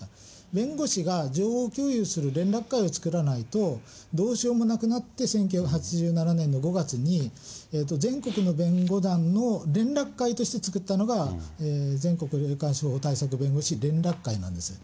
弁護士が情報共有する、連絡会を作らないとどうしようもなくなって、１９８７年の５月に全国の弁護団の連絡会として作ったのが、全国霊感商法対策弁護士連絡会なんですね。